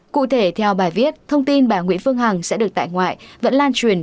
cụ thể theo bài viết thông tin bà nguyễn phương hằng sẽ được tại ngoại vẫn lan truyền